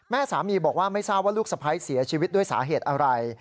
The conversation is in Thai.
แม่สามีบอกว่าไม่ทราบว่าลูกสะพ้ายเสียชีวิตด้วยสาเหตุอะไร